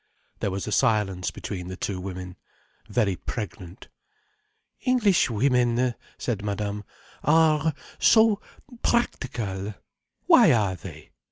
There was a silence between the two women, very pregnant. "Englishwomen," said Madame, "are so practical. Why are they?"